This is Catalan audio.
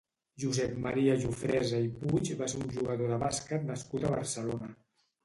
Josep Maria Jofresa i Puig va ser un jugador de bàsquet nascut a Barcelona.